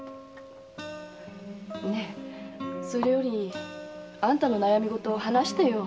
ねえそれよりあんたの悩みごと話してよ。